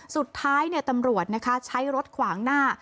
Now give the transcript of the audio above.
สุดท้ายเนี่ยตำรวจนะคะใช้รถขวางหน้า